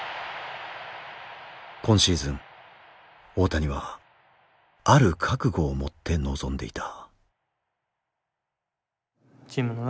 今シーズン大谷はある覚悟を持って臨んでいた。